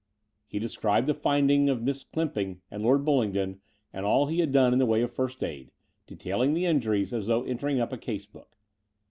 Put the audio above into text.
He described the find ing of Miss Clymping and Lord Bullingdon and all he had done in the way of first aid, detailing the injuries as though entering up a case book.